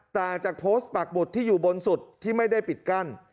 ต่างจากโพสต์ปากบุตรที่อยู่บนสุดที่ไม่ได้ปิดกั้น